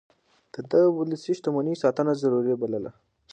ده د ولسي شتمنيو ساتنه ضروري بلله.